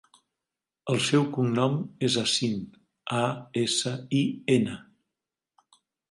El seu cognom és Asin: a, essa, i, ena.